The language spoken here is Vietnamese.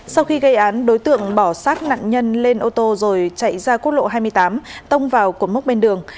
sau khi gây án đối tượng bỏ sát nạn nhân lên ô tô rồi chạy ra quốc lộ hai mươi tám tông vào cột mốc bên đường